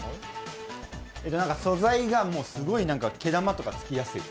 素材がすごい毛玉とかつきやすい。